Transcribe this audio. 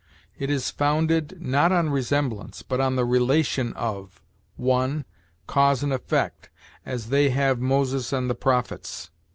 It is founded, not on resemblance, but on the relation of, 1. Cause and effect; as,'They have Moses and the prophets,' i.